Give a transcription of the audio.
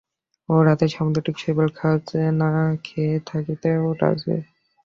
ও রাতে সামুদ্রিক শৈবাল খাওয়ার চেয়ে না খেয়ে থাকতেও রাজি।